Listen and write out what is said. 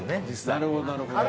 なるほどなるほど。